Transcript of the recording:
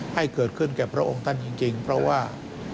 ให้เกิดขึ้นกับพระองค์ท่านจริงเพราะว่า